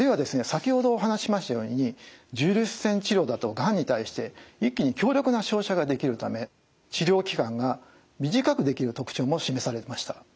先ほどお話ししましたように重粒子線治療だとがんに対して一気に強力な照射ができるため治療期間が短くできる特徴も示されました。